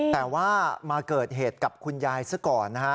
แต่ว่ามาเกิดเหตุกับคุณยายซะก่อนนะฮะ